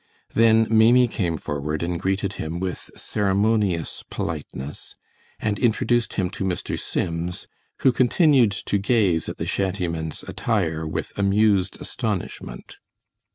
Then Maimie came forward and greeted him with ceremonious politeness and introduced him to Mr. Sims, who continued to gaze at the shantyman's attire with amused astonishment.